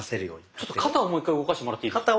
ちょっと肩をもう一回動かしてもらっていいですか？